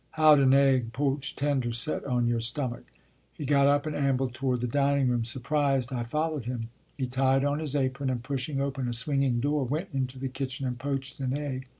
How d an egg, poached tender, set on your stummick?" He got up and ambled toward the dining room. Surprised, I followed him. He tied on his apron and pushing open a swinging door, went into the kitchen and poached an egg.